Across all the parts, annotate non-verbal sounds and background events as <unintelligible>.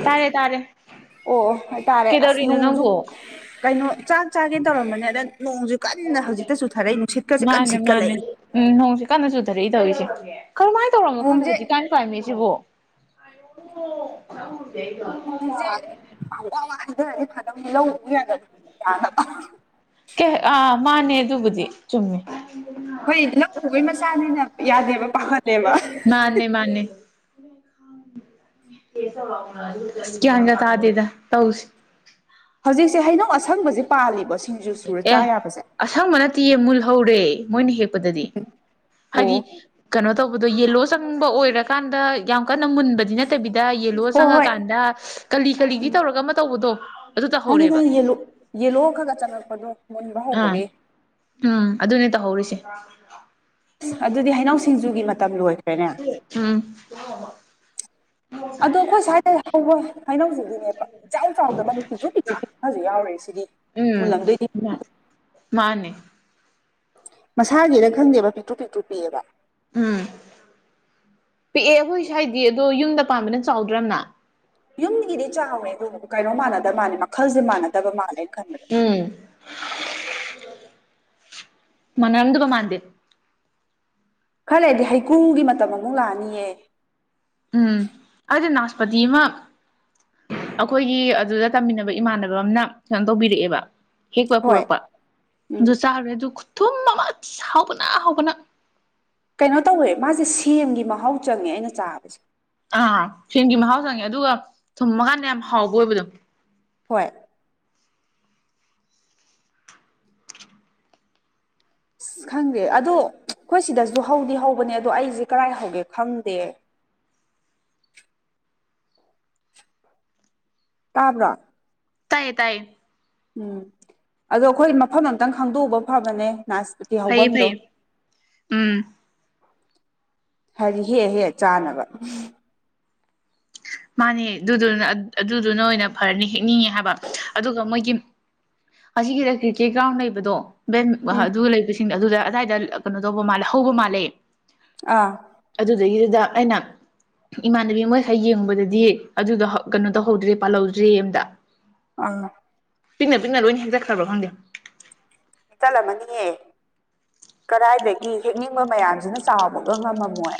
ꯇꯥꯔꯦ ꯇꯥꯔꯦ ꯑꯣ ꯍꯥꯏꯇꯥꯔꯦ ꯑꯁ ꯀꯩꯗꯧꯔꯤꯅꯣ ꯅꯣꯡꯁꯨ ꯅꯪꯕꯨ ꯀꯩꯅꯣ ꯆꯥꯛ ꯆꯥꯒꯦꯅ ꯇꯧꯔꯝꯕꯅꯦ ꯑꯗ ꯅꯣꯡꯁꯨ ꯀꯟꯅ ꯍꯧꯖꯤꯛꯇ ꯆꯨꯊꯔꯛꯏ ꯅꯨꯡꯁꯤꯠꯀꯁꯦ ꯀꯟ ꯃꯥꯅꯦ ꯃꯥꯅꯦ ꯁꯤꯠꯀꯂꯛꯏ ꯎꯝ ꯅꯣꯡꯁꯤꯦ ꯀꯟꯅ ꯆꯨꯊꯔꯛꯏ ꯇꯧꯔꯤꯁꯦ ꯀꯔꯝꯥꯏꯅ ꯇꯧꯔꯝꯃ ꯈꯪꯗꯦ ꯅꯣꯡꯁꯦ ꯍꯧꯖꯤꯛꯀꯥꯟ ꯀ꯭ꯂꯥꯢꯃꯤꯠꯁꯤꯕꯣ ꯍ ꯂꯩꯒ <inaudible> ꯃꯤꯁꯦ ꯋꯥ ꯋꯥꯗꯔꯗꯤ ꯐꯗꯕꯅꯤ ꯂꯧ ꯌꯥꯗ ꯌꯥꯗ <inaudible> ꯀꯦ ꯑꯥ ꯃꯥꯅꯦ ꯑꯗꯨꯕꯨꯗꯤ ꯆꯨꯝꯃꯤ ꯍꯣꯏ ꯂꯧ ꯎꯕꯩ ꯃꯆꯥꯅꯤꯅ ꯌꯥꯗꯦꯕ ꯄꯥꯈꯠꯂꯦꯕ ꯃꯥꯅꯦ ꯃꯥꯅꯦ ꯒ꯭ꯌꯥꯟꯒ ꯇꯥꯗꯦꯗ ꯇꯧꯔꯤꯁꯦ ꯍꯧꯖꯤꯛꯁꯦ ꯍꯩꯅꯧ ꯑꯁꯪꯕꯖꯦ ꯄꯥꯜꯂꯤꯕ ꯑꯦ ꯑꯁꯪꯕ ꯅꯠꯇꯦꯌꯦ ꯃꯨꯜꯍꯧꯔꯦ ꯃꯣꯏꯅ ꯍꯦꯛ ꯍꯦꯛꯄꯗꯗꯤ ꯑꯣ ꯍꯥꯏꯗꯤ ꯀꯩꯅꯣ ꯇꯧꯕꯗꯣ ꯌꯦꯂꯣ ꯆꯪꯕ ꯑꯣꯏꯔꯀꯥꯟꯗ ꯌꯥꯝ ꯀꯟꯅ ꯃꯨꯟꯕ ꯗꯤ ꯅꯠꯇꯕꯤꯗ ꯌꯦꯜꯂꯣ ꯍꯣꯏ ꯍꯣꯏ ꯆꯪꯉꯀꯥꯟꯗ ꯀꯂꯤ ꯀꯂꯤꯗꯤ ꯇꯧꯔꯒ ꯑꯃ ꯇꯧꯕꯗꯣ ꯑꯗꯨ ꯈꯪꯉꯤ ꯇꯧꯍꯧꯔꯦꯕ ꯈꯪꯉꯤ ꯌꯦꯂꯣ ꯌꯦꯂꯣ ꯈ ꯈꯒ ꯆꯪꯉꯛꯄꯗꯣ ꯃꯨꯟꯕ ꯑꯥ ꯍꯧꯕꯒꯤ ꯎꯝ ꯑꯗꯨꯅꯦ ꯇꯧꯍꯧꯔꯤꯁꯦ ꯑꯗꯨꯗꯤ ꯍꯩꯅꯧ ꯁꯤꯡꯖꯨꯒꯤ ꯃꯇꯝ ꯂꯣꯏꯈ꯭ꯔꯦꯅꯦ ꯎꯝ ꯑꯗꯣ ꯑꯩꯈꯣꯏ ꯁ꯭ꯋꯥꯏꯗ ꯍꯧꯕ ꯍꯩꯅꯧꯁꯤꯗꯤꯅꯦ ꯏꯆꯥꯎ ꯆꯥꯎꯗꯕ ꯄꯤꯛꯇ꯭ꯔꯨ ꯄꯤꯛꯇ꯭ꯔꯨ ꯄꯤꯛꯄꯁꯨ ꯌꯥꯥꯎꯔꯤꯌꯦ ꯁꯤꯗꯤ ꯎꯝ ꯃꯨꯜꯂꯝꯗꯣꯏꯗꯤ ꯃꯥꯅꯦ ꯃꯁꯥꯒꯤꯔ ꯈꯪꯗꯦꯕ ꯄꯤꯛꯇ꯭ꯔꯨ ꯄꯤꯛꯇ꯭ꯔꯨ ꯄꯤꯛꯑꯦꯕ ꯎꯝ ꯄꯤꯛꯑꯦ ꯑꯩꯈꯣꯏ ꯁ꯭ꯋꯥꯏꯗꯤ ꯑꯗꯣ ꯌꯨꯝꯗ ꯄꯥꯟꯕꯅ ꯆꯥꯎꯗ꯭ꯔ ꯌꯥꯝꯅ ꯌꯨꯝꯒꯤꯗꯤ ꯆꯥꯎꯋꯦ ꯀꯩꯅꯣ ꯃꯥꯟꯅꯗ ꯃꯥꯜꯂꯦ ꯃꯈꯜꯖꯦ ꯃꯥꯟꯅꯗꯕ ꯃꯥꯜꯂꯦ ꯎꯝ ꯃꯅꯔꯝꯗꯧꯕ ꯃꯥꯟꯗꯦ ꯈꯔ ꯂꯩꯔꯗꯤ ꯍꯩꯀ꯭ꯔꯨꯒꯤ ꯃꯇꯝ ꯑꯃꯨꯛ ꯂꯥꯛꯑꯅꯤꯌꯦ ꯎꯝ ꯑꯩꯗꯤ ꯅꯥꯁꯄꯇꯤ ꯑꯃ ꯑꯩꯈꯣꯏꯒꯤ ꯑꯗꯨꯗ ꯇꯝꯃꯤꯟꯅꯕ ꯏꯃꯥꯟꯅꯕꯝꯅ ꯀꯩꯅꯣ ꯇꯧꯕꯤꯔꯛꯑꯦꯕ ꯍꯦꯛꯄꯒ ꯍꯣꯏ ꯄꯨꯔꯛꯄ ꯎꯝ ꯑꯗꯨ ꯆꯥꯔꯨꯔꯦ ꯑꯗꯨ ꯈꯨꯊꯨꯝ ꯑꯃ ꯍꯥꯎꯕꯅ ꯍꯥꯎꯕꯅ ꯀꯩꯅꯣ ꯇꯧꯋꯦ ꯃꯥꯖꯦ ꯁꯦꯝꯒꯤ ꯃꯍꯥꯎ ꯆꯪꯉꯦ ꯑꯩꯅ ꯆꯥꯕꯁꯦ ꯑꯥ ꯁꯦꯝꯒꯤ ꯃꯍꯥꯎ ꯆꯪꯉꯦ ꯑꯗꯨꯒ ꯊꯨꯝꯃ ꯒꯥꯟꯗ ꯌꯥꯝ ꯍꯥꯎꯕ ꯑꯣꯏꯕꯗꯣ ꯍꯣꯏ ꯑꯁ ꯈꯪꯗꯦ ꯑꯗꯣ ꯑꯩꯈꯣꯏ ꯁꯤꯗꯁꯨ ꯍꯧꯗꯤ ꯍꯧꯕꯅꯦ ꯑꯗꯣ ꯑꯩꯖꯦ ꯀꯔꯥꯏ ꯍꯧꯒꯦ ꯈꯪꯗꯦ ꯇꯥꯕ꯭ꯔꯣ ꯇꯥꯏꯌꯦ ꯇꯥꯏꯌꯦ ꯎꯝ ꯑꯗꯣ ꯑꯩꯈꯣꯏ ꯃꯐꯝ ꯑꯝꯇꯪ ꯈꯪꯗꯣꯛꯎꯕ ꯐꯕꯅꯦ ꯅꯥꯁ ꯐꯩꯌꯦ ꯐꯩꯌꯦ ꯎꯝ ꯍꯥꯏꯗꯤ ꯍꯦꯛꯑ ꯍꯦꯛꯑ ꯆꯥꯅꯕ ꯃꯥꯅꯦ ꯑꯗꯨꯗꯨꯅ ꯑꯗꯨꯗꯨꯅ ꯑꯣꯏꯅ ꯐꯔꯅꯤ ꯍꯦꯛꯅꯤꯡꯉꯦ ꯍꯥꯏꯕ ꯑꯗꯨꯒ ꯃꯣꯏꯒꯤ ꯑꯁꯤꯒꯤꯗ ꯀ꯭ꯔꯤꯀꯦꯠ ꯒ꯭ꯔꯥꯎꯟ ꯂꯩꯕꯗꯣ ꯎꯝ ꯕꯦꯠ ꯂꯩꯕꯁꯤꯡꯗꯣ ꯑꯗꯨꯗ ꯑꯗꯥꯏꯗ ꯀꯩꯅꯣ ꯇꯧꯕ ꯃꯥꯜꯂꯦ ꯍꯧꯕ ꯃꯥꯜꯂꯦ ꯑꯥ ꯑꯗꯨꯗꯒꯤꯗꯨꯗ ꯑꯩꯅ ꯏꯃꯥꯟꯅꯕꯤ ꯃꯣꯢ ꯈꯔ ꯌꯦꯡꯉꯨꯕꯗ ꯗꯤ ꯑꯗꯨꯗꯣ ꯀꯩꯅꯣ ꯇꯧꯍꯧꯗ꯭ꯔꯦ ꯄꯥꯜꯍꯧꯗ꯭ꯔꯦꯌꯦ ꯑꯝꯇ ꯑꯥ ꯄꯤꯛꯅ ꯄꯤꯛꯅ ꯂꯣꯏ ꯍꯦꯛꯇꯠꯈ꯭ꯔꯕ ꯈꯪꯗꯦ ꯍꯦꯛꯇꯠꯂꯝꯃꯅꯤꯌꯦ ꯀꯔꯥꯏꯗꯒꯤ ꯍꯦꯛꯅꯤꯡꯕ ꯃꯌꯥꯝꯖꯤꯅ ꯆꯥꯎꯕꯒ ꯉꯝꯃꯝꯃꯣꯏ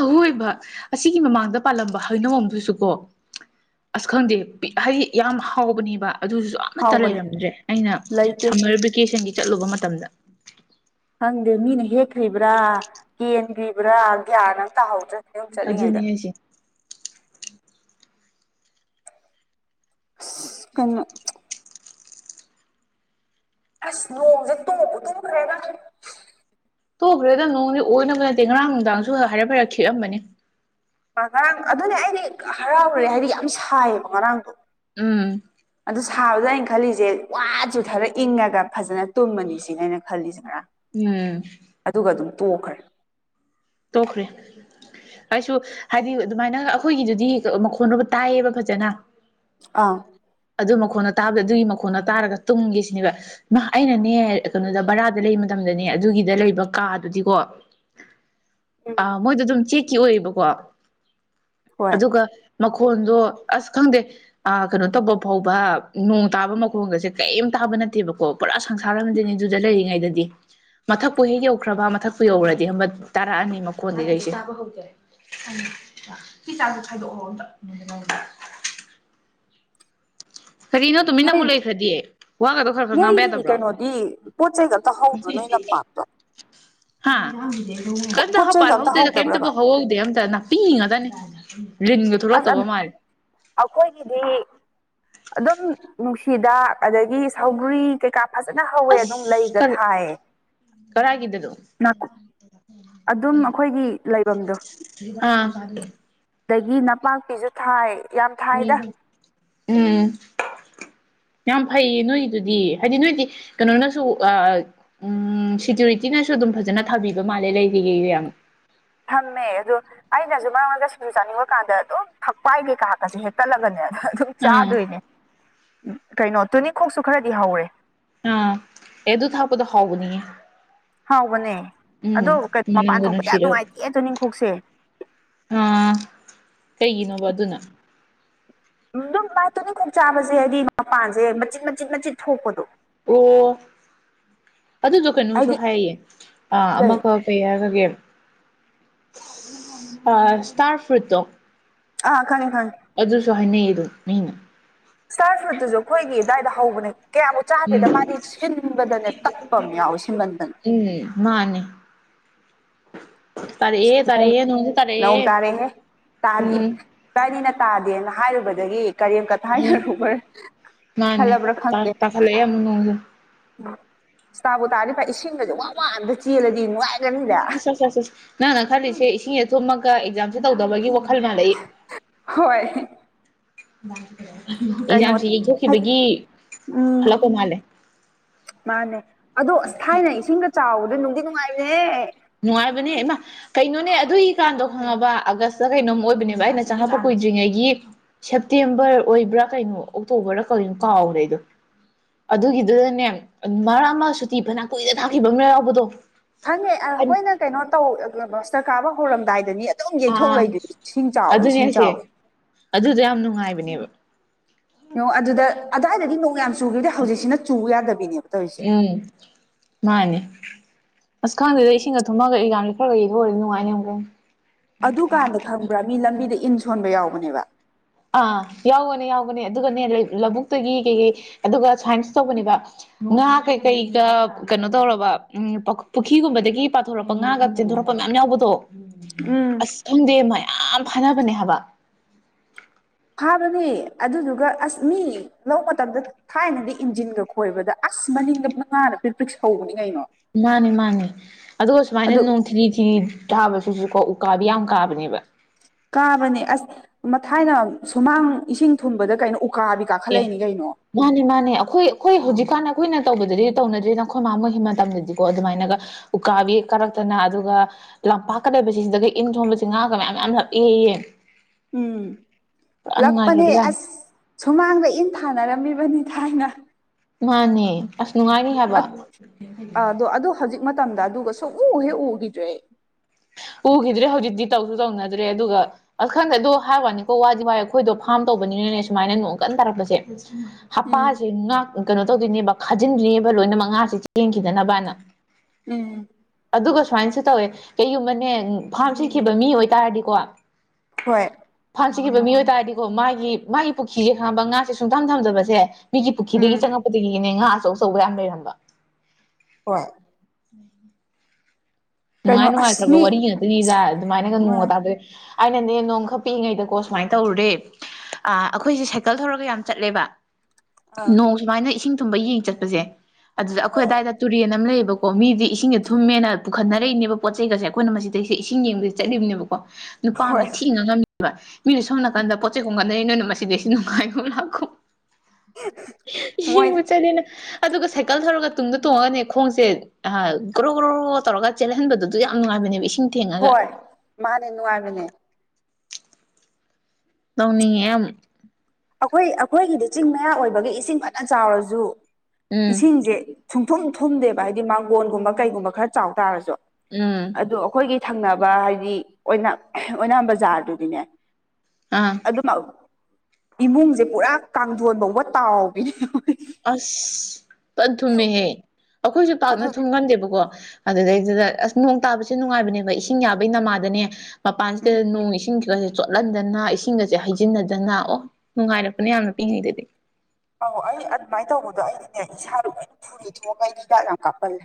ꯑꯋꯣꯏꯕ ꯑꯁꯤꯒꯤ ꯃꯃꯥꯡꯗ ꯄꯥꯜꯂꯝꯕ ꯍꯩꯅꯧꯑꯝꯗꯨꯁꯨ ꯀꯣ ꯑꯁ ꯈꯪꯗꯦ ꯍꯩ ꯌꯥꯝ ꯍꯥꯎꯕꯅꯤꯕ ꯑꯗꯨꯗꯨꯁꯨ ꯑꯃꯠꯇ ꯍꯥꯎꯕꯅꯦ ꯂꯩꯔꯝꯗ꯭ꯔꯦ ꯑꯩꯅ ꯂꯩꯇꯦ ꯁꯝꯃꯔ ꯚꯤꯀꯦꯁꯟꯒꯤ ꯆꯠꯂꯨꯕ ꯃꯇꯝꯗ ꯈꯪꯗꯦ ꯃꯤꯅ ꯍꯦꯛꯈ꯭ꯔꯤꯕ꯭ꯔꯥ ꯀꯦꯟꯒ꯭ꯔꯤꯕ꯭ꯔꯥ ꯒ꯭ꯌꯥꯟ ꯑꯝ ꯇꯥꯍꯧꯗ꯭ꯔꯦ ꯌꯨꯝ ꯆꯠꯂꯤꯉꯩꯗ ꯑꯗꯨꯅꯤ ꯍꯥꯏꯁꯦ ꯀꯩꯅꯣ ꯑꯁ ꯅꯣꯡꯖꯦ ꯇꯣꯛꯄꯨ ꯇꯣꯛꯈ꯭ꯔꯦꯗ ꯇꯣꯛꯈ꯭ꯔꯦꯗ ꯅꯣꯡꯗꯤ ꯑꯣꯏꯅꯕ ꯅꯠꯇꯦ ꯉꯔꯥꯡ ꯅꯨꯡꯗꯥꯡꯁꯨ ꯍꯥꯏꯔꯞ ꯍꯥꯏꯔꯞ ꯈꯤꯛꯑꯝꯕꯅꯤ ꯉꯔꯥꯡ ꯑꯗꯨꯅꯦ ꯑꯩꯗꯤ ꯍꯔꯥꯎꯔꯨꯔꯦ ꯍꯥꯏꯗꯤ ꯌꯥꯝ ꯁꯥꯏꯌꯦꯕ ꯉꯔꯥꯡꯗꯣ ꯎꯝ ꯑꯗꯨ ꯁꯥꯕꯗꯨꯗ ꯑꯩꯅ ꯈꯜꯂꯤꯁꯦ ꯋꯥ ꯆꯨꯊꯔ ꯏꯪꯉꯒ ꯐꯖꯅ ꯇꯨꯝꯃꯅꯤ ꯁꯤꯅ ꯑꯩꯅ ꯈꯜꯂꯤꯁꯦ ꯉꯔꯥꯡ ꯎꯝ <unintelligible> ꯑꯗꯨꯒ ꯑꯗꯨꯝ ꯇꯣꯛꯈ꯭ꯔꯦ ꯇꯣꯛꯈ꯭ꯔꯦ ꯀꯁꯨ <unintelligible> ꯍꯥꯏꯗꯤ ꯑꯗꯨꯃꯥꯏꯅ ꯑꯩꯈꯣꯏꯒꯤꯗꯨꯗꯤ ꯃꯈꯣꯟ ꯑꯃ ꯇꯥꯏꯌꯦꯕ ꯐꯖꯅ ꯑꯥ ꯑꯗꯨ ꯃꯈꯣꯟꯅ ꯇꯥꯕꯗ ꯑꯗꯨꯒꯤ ꯃꯈꯣꯟꯅ ꯇꯥꯔꯒ ꯇꯨꯝꯒꯦꯁꯤꯅꯦꯕ ꯃꯥ ꯑꯩꯅꯅꯦ ꯀꯩꯅꯣꯗ ꯕꯔꯥꯗ ꯂꯩꯕ ꯃꯇꯝꯗꯅꯦ ꯑꯗꯨꯒꯤꯗ ꯂꯩꯕ ꯀꯥꯗꯨꯗꯤꯀꯣ ꯎꯝ ꯑ ꯃꯣꯏꯗꯣ ꯑꯗꯨꯝ ꯆꯦꯛꯀꯤ ꯑꯣꯏꯌꯦꯕꯀꯣ ꯍꯣꯏ ꯑꯗꯨꯒ ꯃꯈꯣꯟꯗꯣ ꯑꯁ ꯈꯪꯗꯦ ꯑ ꯀꯩꯅꯣ ꯇꯧꯕ ꯐꯥꯎꯕ ꯅꯣꯡ ꯇꯥꯕ ꯃꯈꯣꯡꯒꯁꯦ ꯀꯩꯝ ꯇꯥꯕ ꯅꯠꯇꯦꯕꯀꯣ ꯄꯨꯔꯥ ꯁꯪꯁꯥꯔ ꯑꯃꯗꯅꯤ ꯑꯗꯨꯗ ꯂꯩꯔꯤꯉꯩꯗꯗꯤ ꯃꯊꯛꯄꯨ ꯍꯦꯛ ꯌꯧꯈ꯭ꯔꯕ ꯃꯊꯛꯄꯨ ꯌꯧꯈ꯭ꯔꯗꯤ ꯅꯤ ꯃ ꯀꯣꯟꯗꯤꯁꯤ <unintelligible> ꯐ ꯆꯥꯡꯗ ꯈꯥꯏꯗꯣꯛꯑꯣꯣ ꯑꯝꯇ ꯅꯣꯟꯗꯗ <inaudible> ꯀꯔꯤꯅꯣ ꯇꯨꯃꯤꯟꯅ ꯅꯣꯏ ꯑꯃꯨꯛ ꯂꯩꯈ꯭ꯔꯗꯤ ꯋꯥꯒꯗꯣ ꯈꯔ ꯈꯔ ꯉꯥꯡꯕ ꯅꯣꯏꯒꯤ ꯌꯥꯗꯕ꯭ꯔꯣ ꯀꯩꯅꯣꯗꯤ ꯄꯣꯠ ꯆꯩꯒ ꯑꯝꯇ ꯍꯧꯗ꯭ꯔꯣ ꯅꯣꯏ ꯂꯝꯄꯥꯛꯇꯣ ꯍꯥ ꯄꯣꯠ ꯀꯗ ꯄꯣꯠ ꯍꯥꯄꯜ ꯆꯩꯒ ꯑꯝꯇ ꯍꯗꯦꯗ ꯍꯧꯗꯕ꯭ꯔꯕ ꯀꯟꯇꯕꯨ ꯍꯗꯦ ꯑꯇꯅ <unintelligible> ꯄꯤ ꯉꯥꯛꯇꯥꯅꯦ ꯂꯤꯟꯒ ꯊꯣꯛꯂꯛꯇꯧꯕ ꯃꯥꯜꯂꯦ ꯑꯈꯣꯏꯒꯤꯗꯤ ꯑꯗꯨꯝ ꯅꯨꯡꯁꯤ ꯍꯤꯗꯥꯛ ꯑꯗꯒꯤ ꯁꯧꯒꯔꯤ ꯀꯩꯀꯥ ꯐꯖꯅ ꯍꯧꯋꯦ ꯑꯗꯨꯝ ꯑꯁ ꯂꯩꯒ ꯀꯔ ꯊꯥꯏꯌꯦ ꯀꯔꯥꯏꯒꯤꯗꯅꯣ ꯑꯗꯨꯝ ꯑꯩꯈꯣꯏꯒꯤ ꯂꯩꯕꯝꯗꯣ ꯑꯥ ꯐꯦ <unintelligible> ꯑꯗꯒꯤ ꯅꯄꯥꯛꯄꯤꯁꯨ ꯊꯥꯏ ꯌꯥꯝ ꯊꯥꯏꯗ ꯎꯝ ꯌꯥꯝ ꯐꯩꯌꯦ ꯅꯣꯏꯗꯨꯗꯤ ꯍꯥꯏꯗꯤ ꯅꯣꯏꯗꯤ ꯀꯩꯅꯣꯅꯁꯨ ꯑ ꯎꯝ ꯁꯦꯀ꯭ꯌꯨꯔꯤꯇꯤꯅꯁꯨ ꯑꯗꯨꯝ ꯐꯖꯅ ꯊꯥꯕꯤꯕ ꯃꯥꯜꯂꯦ ꯂꯩꯔꯤꯒꯦ ꯌꯥꯝ ꯁꯦꯆꯩꯇꯨ <unintelligible> ꯊꯝꯃꯦ ꯑꯗꯣ ꯑꯩꯅꯁꯨ ꯃꯔꯛ ꯃꯔꯛꯇ ꯁꯦꯡ <unintelligible> ꯆꯥꯅꯤꯡꯕ ꯀꯥꯟꯗ ꯑꯗꯨꯝ ꯐꯛꯄꯥꯏ ꯀꯩꯀ ꯒꯥꯁꯦ ꯍꯦꯛꯇꯠꯂꯒꯅꯦ ꯑꯗꯨꯝ ꯑꯥ ꯆꯥꯗꯣꯏꯅꯦ ꯀꯩꯅꯣ ꯇꯨꯅꯤꯈꯣꯛꯁꯨ ꯈꯔꯗꯤ ꯍꯧꯔꯦ ꯑ ꯑꯦꯗꯨ ꯊꯥꯛꯄꯗꯨ ꯍꯥꯎꯕꯅꯤꯍꯦ ꯍꯥꯎꯕꯅꯦ ꯎꯝ ꯑꯗꯣ ꯃꯄꯥꯟ ꯃꯅꯝꯒ ꯊꯣꯛꯄꯗꯤ ꯌꯥꯝ ꯅꯨꯡꯁꯤꯔꯒ ꯅꯨꯡꯉꯥꯏꯇꯦꯌꯦ ꯇꯣꯛꯅꯤꯡꯈꯣꯛꯁꯦ ꯑꯥ ꯀꯩꯒꯤꯅꯣꯕ ꯑꯗꯨꯅ ꯎ ꯑꯗꯨꯝ ꯕꯥꯥꯏ ꯇꯣꯅꯤꯈꯣꯡ ꯆꯥꯕꯁꯦ ꯍꯥꯏꯗꯤ ꯃꯄꯥꯟꯁꯦ ꯃꯆꯤꯟꯠ ꯃꯆꯤꯠ ꯃꯆꯤꯠ ꯊꯣꯛꯄꯗꯣ ꯑꯣ ꯑꯗꯨꯗꯣ ꯀꯩꯅꯣꯁꯨ ꯑꯩꯗꯤ ꯍꯥꯏꯌꯦ ꯑ ꯀꯩ ꯑꯃꯈꯛ ꯌꯥꯒꯒꯦ <unintelligible> ꯑ ꯁꯇꯔ ꯐ꯭ꯔꯨꯠꯇꯣ ꯑꯥ ꯈꯪꯉꯦ ꯈꯪꯉꯦ ꯑꯗꯨꯁꯨ ꯍꯥꯏꯅꯩ ꯑꯗꯨ ꯃꯤꯅ ꯏꯁꯇꯥꯔ ꯐꯔ꯭ꯨꯏꯠ ꯑꯩꯈꯣꯏꯒꯤ ꯑꯗꯨꯗꯥꯏ ꯍꯧꯕꯅꯦ ꯀꯌꯥꯃꯨꯛ ꯆꯥꯗꯦꯗ ꯎꯝ ꯃꯥꯗꯤ ꯁꯤꯟꯕꯗꯅꯦ ꯇꯛꯄ ꯑꯃ ꯌꯥꯎꯋꯤ ꯁꯤꯟꯃꯟꯗꯅ ꯎꯝ ꯃꯥꯅꯦ ꯇꯥꯔꯦꯑꯦ ꯅꯣꯡ ꯇꯥꯔꯦꯌꯦ ꯅꯣꯡꯁꯨ ꯇꯔꯦꯌꯦ ꯎꯝ ꯏꯕꯥꯏꯅꯤꯅ ꯇꯥꯗꯦꯅ ꯍꯥꯏꯔꯨꯕꯗꯒꯤ ꯀꯔꯦꯝ ꯎꯝ ꯀꯊꯥꯏꯅꯔꯨꯕꯩ ꯈꯜꯂꯕ꯭ꯔꯥ ꯈꯪꯗꯦ ꯇꯥꯈꯠꯂꯛꯌꯦ ꯌꯥꯝ ꯅꯣꯡꯖꯦ ꯏꯁ ꯇꯥꯕꯨ ꯇꯥꯔꯗꯤ ꯐꯏ ꯏꯁꯤꯡꯒꯁꯦ ꯋꯥ ꯋꯥ ꯎꯝꯇ ꯆꯦꯜꯂꯗꯤ ꯅꯨꯡꯉꯥꯏ ꯏꯁ ꯑꯁ ꯑꯁ ꯑꯁ ꯅꯪꯅ ꯈꯜꯂꯤꯁꯦ ꯏꯁꯤꯡꯁꯦ ꯊꯨꯝꯃꯒ ꯑꯦꯛꯖꯥꯝꯁꯦ ꯇꯧꯗꯕꯒꯤ ꯋꯥꯈꯜ ꯈꯜ ꯃꯥꯟꯅꯩꯌꯦ ꯍꯣꯏ ꯀꯩꯅꯣ ꯑꯦꯛꯖꯥꯝꯁꯤꯦ ꯌꯩꯊꯣꯛꯈꯤꯕꯒꯤ ꯎꯝ ꯍꯜꯂꯛꯄ ꯃꯥꯜꯂꯦ ꯃꯥꯅꯦ ꯑꯗꯣ ꯑꯁ ꯊꯥꯏꯅ ꯏꯁꯤꯡꯒ ꯆꯥꯎꯕꯗꯣ ꯅꯨꯡꯗꯤ ꯅꯨꯡꯉꯥꯏꯕꯅꯦ ꯍꯦ ꯅꯨꯡꯉꯥꯏꯕꯅꯦ ꯏꯃ ꯀꯩꯅꯣꯅꯦ ꯑꯗꯨꯏꯀꯥꯟꯗꯣ ꯍꯪꯉꯕ ꯑꯥꯒꯁꯇ ꯀꯩꯅꯣꯝ ꯑꯣꯏꯕꯅꯦꯕ ꯑꯩꯅ ꯆꯪꯉꯛꯄ ꯀꯨꯏꯗ꯭ꯔꯤꯉꯩꯒꯤ ꯁꯦꯞꯇꯦꯝꯕꯔ ꯑꯣꯏꯕ꯭ꯔꯥ ꯀꯩꯅꯣ ꯑꯣꯛꯇꯣꯕꯔ ꯀꯧꯅꯣ ꯀꯥꯎ꯭ꯔꯦ ꯑꯩꯗꯣ ꯑꯗꯨꯒꯤꯗꯨꯗꯅꯦ ꯃꯔꯥ ꯑꯃ ꯁꯨꯇꯤ ꯐꯅ ꯀꯨꯏꯅ ꯊꯥꯈꯤꯕ ꯑꯃꯅ ꯌꯥꯎꯕꯗꯣ ꯈꯪꯉꯦ ꯑꯩꯈꯣꯏꯅ ꯀꯩꯅꯣ ꯇꯧꯁꯔ ꯀꯥꯕ ꯍꯧꯔꯝꯗꯥꯏꯗꯅꯤ- ꯈꯤꯇꯪ ꯌꯩꯊꯣꯛ ꯑꯥ ꯂꯩꯗꯨꯗꯤ ꯁꯤꯡ ꯆꯥꯎꯋꯤ ꯑꯗꯨꯅꯦ ꯁꯤꯡ ꯆꯥꯎꯋꯤ ꯍꯥꯏꯁꯦ ꯑꯗꯨꯗꯣ ꯌꯥꯝ ꯅꯨꯡꯉꯥꯏꯕꯅꯦꯕ ꯌꯦꯡꯉꯣ ꯑꯗꯨꯗ ꯑꯗꯨꯋꯥꯏꯗꯗꯤ ꯅꯣꯡ ꯌꯥꯝ ꯆꯨꯗꯗꯤ ꯍꯧꯖꯤꯛꯁꯤꯅ ꯆꯨ ꯌꯥꯗꯕꯤꯅꯦꯕ ꯇꯧꯔꯤꯁꯦ ꯎꯨꯝ ꯃꯥꯅꯦ ꯑꯁ ꯈꯪꯗꯨꯗ ꯏꯁꯤꯡꯒ ꯊꯨꯝꯃꯒ ꯏꯒꯥꯡꯁ ꯈꯔꯒꯒꯤꯗꯔꯗꯤ ꯅꯨꯡꯉꯥꯏꯅꯤ ꯑꯃꯨꯛ ꯑꯗꯨꯀꯥꯟꯗ ꯈꯪꯕ꯭ꯔꯥ ꯃꯤ ꯂꯝꯕꯤꯗ ꯏꯟ ꯁꯣꯟꯕ ꯌꯥꯎꯕꯅꯦꯕ ꯑꯥ ꯌꯥꯎꯒꯅꯦ ꯌꯥꯎꯒꯅꯦ ꯑꯗꯨꯒꯅꯦ ꯂꯧꯕꯨꯛꯇꯒꯤ ꯀꯩ ꯀꯩ ꯑꯗꯨꯒ ꯁꯥꯏꯟꯁ ꯇꯧꯕꯅꯦꯕ ꯉꯥ ꯀꯩꯀꯩꯗ ꯀꯩꯅꯣ ꯇꯧꯔꯕ ꯎꯝ ꯄꯨꯈ꯭ꯔꯤꯒꯨꯝꯕꯗꯒꯤ ꯆꯊꯣꯔꯛꯄ ꯉꯥꯒ ꯆꯦꯟꯊꯣꯔꯛꯄ ꯃꯌꯥꯝ ꯌꯥꯎꯕꯗꯣ ꯎꯨꯝ ꯇꯨꯝꯗꯦ ꯃꯌꯥꯝ ꯐꯅꯕꯅꯦ ꯍꯥꯏꯕ ꯐꯥꯕꯅꯦ ꯑꯗꯨꯗꯨꯒ ꯑꯁ ꯃꯤ ꯂꯧ ꯃꯇꯝꯗ ꯊꯥꯏꯅꯗꯤ ꯏꯟꯖꯤꯟꯒ ꯈꯣꯏꯕꯗ ꯑꯁ ꯃꯅꯤꯡꯗ ꯃꯉꯥꯗ ꯄ꯭ꯔꯤꯛ ꯄ꯭ꯔꯤꯛꯁ ꯁꯧꯕꯅꯤ ꯀꯩꯅꯣ ꯃꯥꯅꯤ ꯃꯥꯅꯤ ꯑꯗꯨꯒ ꯁꯨꯃꯥꯏꯅ ꯑꯗꯨ ꯅꯣꯡ ꯊꯤꯅꯤ ꯊꯤꯅꯤ ꯊꯥꯕꯁꯤꯁꯨꯀꯣ ꯎꯀꯥꯕꯤ ꯌꯥꯝ ꯀꯥꯕꯅꯦꯕ ꯀꯥꯕꯅꯦ ꯑꯁ ꯃꯊꯥꯏꯅ ꯁꯨꯃꯥꯡ ꯏꯁꯤꯡ ꯊꯨꯝꯕꯗ ꯀꯩꯅꯣ ꯎꯀꯥꯕꯤ ꯑꯦ ꯀꯥꯈꯠꯂꯛꯏꯅꯤ ꯀꯩꯅꯣ ꯃꯥꯅꯦ ꯃꯥꯅꯦ ꯑꯈꯣꯏ ꯑꯈꯣꯏ ꯍꯧꯖꯤꯛꯀꯥꯟ ꯑꯈꯣꯏꯅ ꯇꯧꯕꯗꯗꯤ ꯇꯧꯅꯗ꯭ꯔꯦꯗ ꯑꯈꯣꯏ ꯃꯥ ꯃꯣꯏꯒꯤ ꯃꯇꯝꯗꯗꯤꯀꯣ ꯑꯗꯨꯃꯥꯏꯅꯒ ꯎꯀꯥꯕꯤ ꯀꯥꯔꯛꯇꯅ ꯑꯗꯨꯒ ꯂꯝꯄꯥꯛꯀꯗꯕꯁꯤ ꯁꯤꯗꯒ ꯏꯟ ꯊꯣꯡꯕꯁꯤ ꯉꯥꯒ ꯃꯌꯥꯝ ꯌꯥꯝ ꯂꯞꯑꯦꯌꯦ ꯎꯝ ꯂꯥꯛꯄ ꯍ ꯅꯨꯡꯉꯥꯏꯈ꯭ꯔꯕꯖꯥꯠꯅꯤ ꯑꯁ ꯁꯨꯃꯥꯡꯗ ꯏꯟ ꯊꯥꯅꯔꯝꯃꯤꯕꯅꯤ ꯊꯥꯏꯅ ꯃꯥꯅꯦ ꯑꯁ ꯅꯨꯡꯉꯥꯏꯔꯤ ꯑꯗꯣ ꯑꯗꯣ ꯍꯧꯖꯤꯛ ꯃꯇꯝꯗ ꯑꯗꯨꯒ ꯁꯣꯛꯎ ꯍꯦꯛ ꯎꯈꯤꯗ꯭ꯔꯦ ꯑꯩ ꯎꯈꯤꯗ꯭ꯔꯦ ꯍꯧꯖꯤꯛꯇꯤ ꯇꯧꯁꯨ ꯇꯧꯅꯗ꯭ꯔꯦ ꯑꯗꯨꯒ ꯑꯈꯪꯗꯗꯣ ꯍꯥꯏꯕꯅꯤꯀꯣ ꯋꯥꯗꯤ ꯋꯥꯏ ꯑꯩꯈꯣꯏꯗꯣ ꯐꯥꯝ ꯇꯧꯕꯅꯤꯅꯅꯦ ꯁꯨꯃꯥꯏꯅ ꯅꯣꯡ ꯀꯟꯅ ꯇꯥꯔꯛꯄꯁꯦ ꯎꯝ ꯍꯄꯥꯁꯦ ꯉ ꯀꯩꯅꯣ ꯇꯧꯗꯣꯏꯅꯦꯕ ꯈꯥꯖꯤꯟꯗꯣꯏꯅꯦꯕ ꯂꯣꯏꯅꯃꯛ ꯉꯥꯁꯦ ꯆꯦꯟꯈꯤꯗꯅꯕꯅꯥ ꯎꯨꯝ ꯑꯗꯨꯒ ꯁꯨꯃꯥꯏꯅꯁꯨ ꯇꯧꯋꯦ ꯀꯩꯒꯨꯝꯕꯅꯦ ꯐꯥꯝ ꯁꯤꯈꯤꯕ ꯃꯤ ꯑꯣꯏꯇꯥꯔꯗꯤꯀꯣ ꯍꯣꯏ ꯐꯥꯟꯖꯈꯤꯕ ꯃꯤ ꯑꯣꯏꯇꯥꯔꯗꯤꯀꯣ ꯃꯥꯒꯤ ꯃꯥꯒꯤ ꯄꯨꯈ꯭ꯔꯤꯁꯦ ꯈꯪꯕ ꯉꯥꯁꯦ ꯁꯨꯡꯊꯝ ꯊꯝꯖꯕꯁꯦ ꯃꯤꯒꯤ ꯄꯨꯈ꯭ꯔꯤꯗꯒꯤ ꯎꯝ ꯆꯪꯉꯛꯄꯗꯒꯤꯅꯦ ꯉꯥ ꯑꯆꯧ ꯑꯆꯧꯕ ꯌꯥꯝ ꯂꯩꯔꯝꯕ ꯍꯣꯏ ꯎꯨꯝ ꯅꯨꯡꯉꯥꯏ ꯀꯩꯅꯣ ꯑꯁ ꯅꯨꯡꯉꯥꯏꯈ꯭ꯔꯕ ꯃꯤ ꯋꯥꯔꯤ ꯉꯥꯛꯇꯒꯤꯗ ꯑꯗꯨꯃꯥꯏꯅꯒ ꯅꯣꯡꯉ ꯑꯥ ꯇꯥꯗꯣꯔꯦ ꯑꯩꯅꯅꯦ ꯅꯣꯡ ꯈꯔ ꯄꯤꯛꯏꯉꯩꯗꯀꯣ ꯁꯨꯃꯥꯏꯅ ꯇꯧꯔꯨꯔꯦ ꯑ ꯑꯩꯈꯣꯏꯁꯦ ꯁꯥꯏꯀꯜ ꯊꯧꯔꯒ ꯌꯥꯝ ꯆꯠꯂꯦꯕ ꯅꯣꯡ ꯁꯨꯃꯥꯏꯅ ꯏꯁꯤꯡ ꯊꯨꯝꯕ ꯌꯦꯡ ꯆꯠꯄꯁꯦ ꯑꯗꯨꯗ ꯑꯩꯈꯣꯏ ꯍꯣꯏ ꯑꯗꯥꯋꯥꯏꯗ ꯇꯨꯔꯦꯟ ꯑꯃ ꯂꯩꯌꯦꯕꯀꯣ ꯃꯤꯗꯤ ꯏꯁꯤꯡꯁꯦ ꯊꯨꯝꯃꯦꯅ ꯄꯨ ꯈꯟꯅꯔꯛꯏꯅꯦꯕ ꯄꯣꯠ ꯆꯩꯩꯒꯁꯦ ꯑꯩꯈꯣꯏꯅ ꯃꯁꯤꯗꯩꯁꯦ ꯏꯁꯤꯡ ꯌꯦꯡꯕꯕꯁꯤꯦ ꯆꯠꯂꯤꯕꯅꯦꯕꯀꯣ ꯅꯨꯄꯥ ꯑꯃꯅ ꯍꯣꯏ ꯊꯤꯅ ꯉꯥꯉꯝ ꯕ ꯃꯤꯅ ꯁꯣꯝ ꯅꯥꯀꯟꯗ ꯄꯣꯠ ꯆꯩꯩ ꯈꯣꯡ ꯀꯟꯗꯩ ꯅꯣꯏꯅ ꯃꯁꯤꯗꯤ ꯑꯩ ꯁꯤ ꯅꯨꯡꯉꯥꯏꯒꯨꯝ ꯂꯥꯛꯀꯣ ꯃꯣꯏ ꯏ ꯆꯅꯤꯅ ꯑꯗꯨꯒ ꯁꯥꯏꯀꯜ ꯊꯧꯔꯒ ꯇꯨꯡꯗ ꯇꯣꯡꯉꯒꯅꯦ ꯈꯣꯡꯁꯦ ꯑ ꯒ꯭ꯔꯣ ꯒ꯭ꯔꯣ ꯇꯧꯔꯒ ꯆꯦꯜꯍꯟꯕꯗꯨ ꯌꯥꯝ ꯅꯨꯡꯉꯥꯏꯕꯅꯦꯕ ꯏꯁꯤꯡ ꯊꯦꯡꯉꯒ ꯍꯣꯏ ꯃꯥꯅꯦ ꯅꯨꯡꯉꯥꯏꯕꯅꯦ ꯇꯧꯅꯤꯡꯉꯦ ꯌꯥꯝ ꯑꯩꯈꯣꯏ ꯑꯩꯈꯣꯏꯒꯤꯗꯤ ꯆꯤꯡ ꯃꯌꯥ ꯑꯣꯏꯕꯒꯤ ꯏꯁꯤꯡ ꯐꯅ ꯆꯥꯎꯔꯁꯨ ꯎꯝ ꯏꯁꯤꯡꯁꯦ ꯁꯨꯡꯊꯨꯝ ꯊꯨꯝꯗꯦꯕ ꯍꯥꯏꯗꯤ ꯃꯥꯡꯒꯣꯟꯒꯨꯝꯕ ꯀꯩꯒꯨꯝꯕ ꯈꯔ ꯆꯥꯎ ꯇꯥꯔꯁꯨ ꯎꯝ ꯑꯗꯣ ꯑꯩꯈꯣꯏꯒꯤ ꯊꯪꯅꯕ ꯍꯥꯏꯗꯤ ꯑꫭꯏꯅꯥꯝ ꯑꯣꯏꯅꯥꯝ ꯕꯖꯥꯔꯗꯨꯗꯤꯅꯦ ꯑꯥ ꯑꯗꯨꯝ ꯑꯥꯎ ꯏꯃꯨꯡꯁꯦ ꯄꯨꯔꯥ ꯀꯥꯡꯊꯣꯟ ꯐꯥꯎꯕ ꯇꯥꯎꯕꯤꯅꯤ ꯑꯁ ꯐꯟ ꯊꯨꯝꯃꯦꯍꯦ ꯑꯩꯈꯣꯏꯁꯨ ꯑꯗꯨ ꯄꯥꯛꯅ ꯊꯨꯝꯒꯟꯗꯦꯕꯀꯣ ꯑꯗꯨꯗꯩꯗꯨꯗ ꯑꯁ ꯅꯣꯡ ꯇꯥꯕꯁꯦ ꯅꯨꯡꯉꯥꯏꯕꯅꯦꯕ ꯏꯁꯤꯡ ꯌꯥꯕꯩ ꯅꯃꯥꯗꯅꯦ ꯃꯄꯥꯟꯁꯤꯗ ꯎꯝ ꯅꯣꯡ ꯏꯁꯤꯡ ꯁꯤꯒꯁꯦ ꯆꯣꯠꯍꯟꯗꯅ ꯏꯁꯤꯡꯒꯁꯦ ꯍꯩꯖꯤꯟꯅꯗꯅ ꯑꯣ ꯅꯨꯡꯉꯥꯏꯔꯛꯄꯅꯤ ꯌꯥꯝꯅ ꯄꯤꯛꯏꯉꯩꯗꯗꯤ ꯑꯧ ꯑꯩ ꯑꯗꯨꯃꯥꯏꯅ ꯇꯧꯕꯗꯣ ꯑꯩꯗꯤꯅꯦ ꯏꯁꯥꯗ ꯂꯣꯏ ꯐꯨꯔꯤ ꯊꯣꯛꯑꯒ ꯑꯩ ꯍꯤꯗꯥꯛ ꯌꯥꯝ ꯀꯥꯞꯄꯜꯂꯦ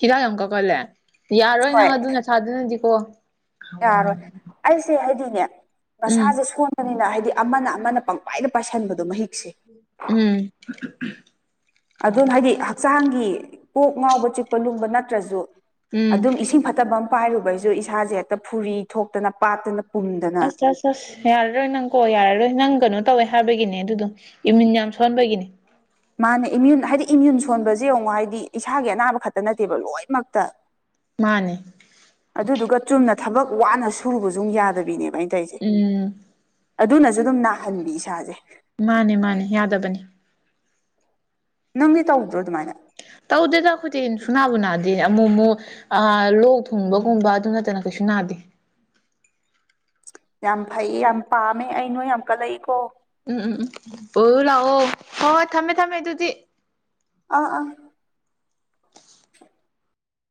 ꯍꯤꯗꯥꯛ ꯌꯥꯝ ꯀꯛꯈꯠꯂꯦ ꯌꯥꯔꯣꯏ ꯍꯣꯏ ꯅꯪ ꯑꯗꯨ ꯅꯁꯥꯥꯗꯨꯅꯗꯤꯀꯣ ꯌꯥꯔꯣꯏ ꯑꯩꯁꯦ ꯍꯥꯏꯗꯤꯅꯦ ꯎꯝ ꯃꯁꯥꯁꯦ ꯁꯣꯟ ꯕꯅꯤꯅ ꯍꯥꯏꯗꯤ ꯑꯃꯅ ꯑꯃꯅ ꯄꯪꯋꯥꯏꯗ ꯄꯥꯏꯥꯁꯟꯕꯗꯣ ꯃꯍꯤꯛꯁꯦ ꯎꯝ ꯑꯗꯨꯅ ꯍꯥꯏꯗꯤ ꯍꯛꯆꯥꯡꯒꯤ ꯄꯣꯛ ꯉꯥꯎꯕ ꯆꯤꯛꯄ ꯂꯨꯝꯕ ꯅꯠꯇ꯭ꯔꯁꯨ ꯎꯝ ꯑꯗꯨꯝ ꯏꯁꯤꯡ ꯐꯠꯇꯕꯃ ꯄꯥꯏꯔꯨꯕꯩꯁꯨ ꯏꯁꯥꯁꯦ ꯍꯦꯛꯇ ꯐꯨꯔꯤ ꯊꯣꯛꯇꯅ ꯄꯥꯠꯇꯅ ꯄꯨꯝꯗꯅ ꯑꯁ ꯑꯁ ꯑꯁ ꯌꯥꯔꯔꯣꯏ ꯅꯪ ꯀꯣ ꯌꯥꯔꯔꯣꯏ ꯅꯪ ꯀꯩꯅꯣ ꯇꯧꯋꯦ ꯍꯥꯏꯕꯒꯤꯅꯦ ꯑꯗꯨꯗꯣ ꯏꯃ꯭ꯌꯨꯟ ꯌꯥꯝ ꯁꯣꯟꯕꯒꯤꯅꯦ ꯃꯥꯅꯦ ꯏꯃ꯭ꯌꯨꯟ ꯍꯥꯏꯗꯤ ꯏꯃ꯭ꯌꯨꯟ ꯁꯣꯟꯕꯁꯦ ꯌꯦꯡꯉꯣ ꯍꯥꯏꯗꯤ ꯏꯁꯥꯒꯤ ꯑꯅꯥꯕ ꯈꯛꯇ ꯅꯠꯇꯦꯕ ꯂꯣꯏꯅꯃꯛꯇ ꯃꯥꯅꯦ ꯑꯗꯨꯗꯨꯒ ꯆꯨꯝꯅ ꯊꯕꯛ ꯋꯥꯅ ꯁꯨꯔꯨꯕꯁꯨ ꯌꯥꯗꯕꯤꯅꯦꯕ ꯑꯩꯅ ꯇꯧꯔꯤꯁꯦ ꯎꯝ ꯑꯗꯨꯅꯁꯨ ꯑꯗꯨꯝ ꯅꯥꯍꯟꯕꯤ ꯏꯁꯥꯁꯦ ꯃꯥꯅꯦ ꯃꯥꯅꯦ ꯌꯥꯗꯕꯅꯤ ꯅꯪꯗꯤ ꯇꯧꯗ꯭ꯔꯣ ꯑꯗꯨꯃꯥꯏꯅ ꯇꯧꯗꯦꯗ ꯑꯩꯈꯣꯏꯗꯤ ꯁꯨꯅꯥꯕꯨ ꯅꯥꯗꯦ ꯑꯃꯨꯛ ꯑꯃꯨꯛ ꯑ ꯂꯣꯛ ꯊꯨꯡꯕꯒꯨꯝꯕ ꯑꯗꯨ ꯅꯠꯇꯅ ꯀꯩꯁꯨ ꯅꯥꯗꯦ ꯌꯥꯝ ꯐꯩ ꯌꯥꯝ ꯄꯥꯝꯃꯦ ꯑꯩ ꯅꯣꯏ ꯌꯥꯝ ꯀꯂꯛꯏꯀꯣ ꯎꯝ ꯎꯝ ꯎꯝ ꯑꯣꯏꯔꫭ ꯂꯥꯛꯑꯣ ꯍꯣꯏ ꯍꯣꯏ ꯊꯝꯃꯦ ꯊꯝꯃꯦ ꯑꯗꯨꯗꯤ ꯑꯥ ꯑꯥ